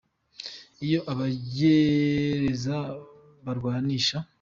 Iyo Abongereza barwanisha!